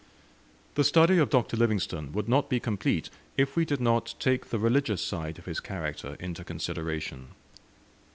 The study of Dr. Livingstone would not be complete if we did not take the religious side of his character into consideration.